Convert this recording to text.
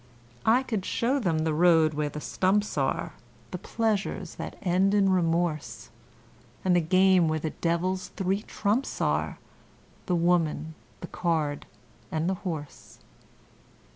I could show them the road where the stumps are The pleasures that end in remorse, And the game where the Devil's three trumps are, The woman, the card, and the horse.